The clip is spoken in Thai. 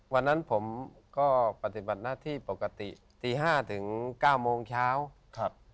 วันนั้นผมก็ปฏิบัติน้าที่ปกติตี๕ถึง๙โมงเช้า